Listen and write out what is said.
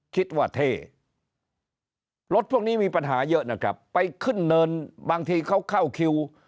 เท่รถพวกนี้มีปัญหาเยอะนะครับไปขึ้นเนินบางทีเขาเข้าคิว